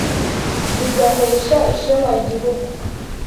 zigahesha ishema Igihugu.